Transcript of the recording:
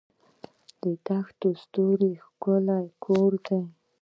دښته د ستورو ښکلی کور دی.